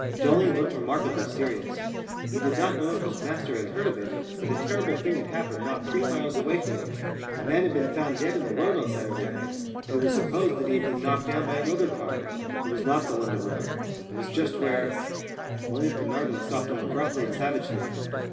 Dolling looked remarkably serious. He did not know if his master had heard of it, but a terrible thing had happened not three miles away from them. A man had been found dead in the road on Saturday night, and it was supposed that he had been knocked down by a motor car. It was not the London road; it was just where William Penarden stopped him abruptly and savagely.